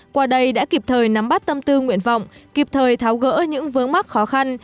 qua đây đã kịp thời nắm bắt tâm tư nguyện vọng kịp thời tháo gỡ những vướng mắc khó khăn